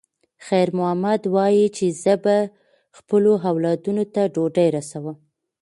خیر محمد وایي چې زه به خپلو اولادونو ته ډوډۍ رسوم.